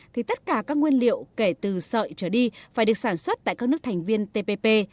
thì tất cả các nguyên liệu kể từ sợi trở đi phải được sản xuất tại các nước thành viên tpp